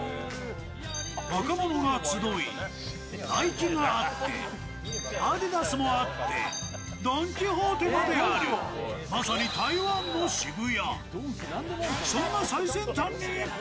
若者が集い、ナイキがあってアディダスもあってドン・キホーテまである、まさに台湾の渋谷。